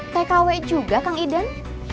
tkw juga kang iden